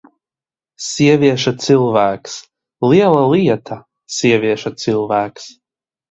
Sievieša cilvēks! Liela lieta: sievieša cilvēks!